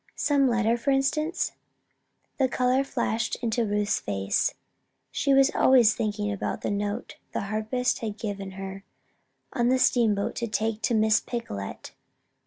Some letter, for instance?" The color flashed into Ruth's face. She was always thinking about the note the harpist had given to her on the steamboat to take to Miss Picolet.